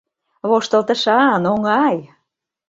Воштылтышан, оҥай!